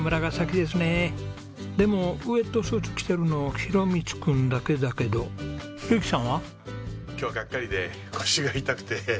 でもウェットスーツ着てるの大路君だけだけど宏幸さんは？今日はガッカリで腰が痛くて。